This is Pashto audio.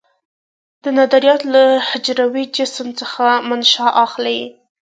دندرایت له حجروي جسم څخه منشا اخلي.